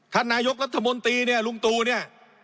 ท่านนายกรัฐมนตรีเนี่ยลุงตูเนี่ย